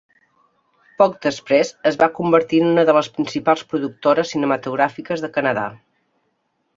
Poc després, es va convertir en una de les principals productores cinematogràfiques de Canadà.